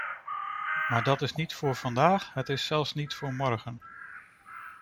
Maar dat is niet voor vandaag, dat is zelfs niet voor morgen.